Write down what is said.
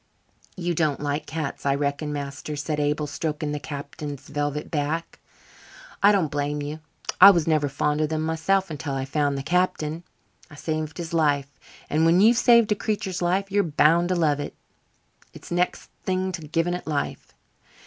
"You don't like cats, I reckon, master," said Abel, stroking the Captain's velvet back. "I don't blame you. I was never fond of them myself until I found the Captain. I saved his life and when you've saved a creature's life you're bound to love it. It's next thing to giving it life.